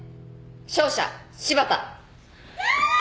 勝者柴田。